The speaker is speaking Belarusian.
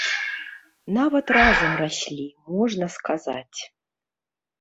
Нават разам раслі, можна сказаць.